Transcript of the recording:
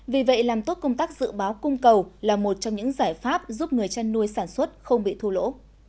vì vậy làm tốt công tác dự báo cung cầu là một trong những giải pháp giúp người chăn nuôi sản xuất không bị thua lỗ